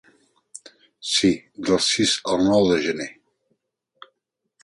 Sí, del sis al nou de gener.